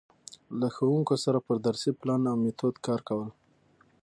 له ښـوونکو سره پر درسي پـلان او میتود کـار کول.